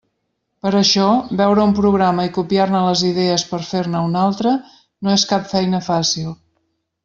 Per això, veure un programa i copiar-ne les idees per fer-ne un altre no és cap feina fàcil.